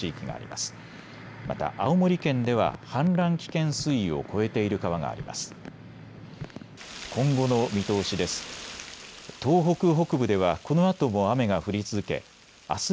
また青森県では氾濫危険水位を超えている川があります。